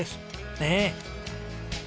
ねえ。